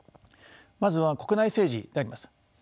まずは国内政治であります。